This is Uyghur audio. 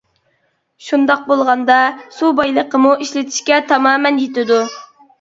شۇنداق بولغاندا سۇ بايلىقىمۇ ئىشلىتىشكە تامامەن يېتىدۇ.